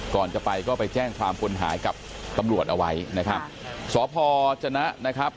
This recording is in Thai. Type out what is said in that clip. ก่อนจะไปก็ไปแจ้งความคนหายกับตำรวจเอาไว้นะครับสพจนะนะครับ